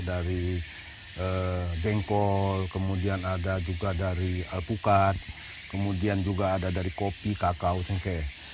dari bengkol kemudian ada juga dari alpukat kemudian juga ada dari kopi kakao cengkeh